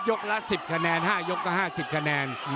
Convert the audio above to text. ละ๑๐คะแนน๕ยกก็๕๐คะแนน